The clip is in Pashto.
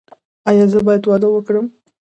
ایا زه باید واده وکړم؟